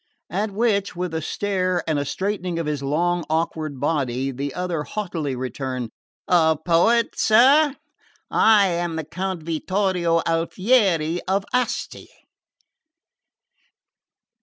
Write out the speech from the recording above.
At which, with a stare and a straightening of his long awkward body, the other haughtily returned: "A poet, sir? I am the Count Vittorio Alfieri of Asti."